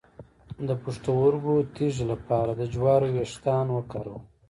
د پښتورګو تیږې لپاره د جوارو ویښتان وکاروئ